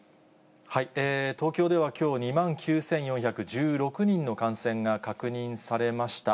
東京ではきょう、２万９４１６人の感染が確認されました。